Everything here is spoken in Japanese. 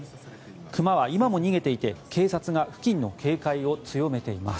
クマは今も逃げていて、警察が付近の警戒を強めています。